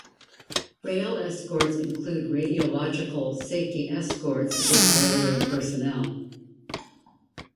Rail escorts include radiological safety escorts with railway personnel.